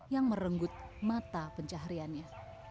yang merenggut mata pencaharyannya